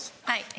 はい。